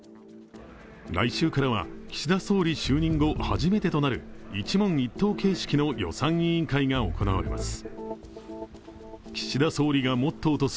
来週からは岸田総理就任後初めてとなる一問一答形式の予算委員会が行われます。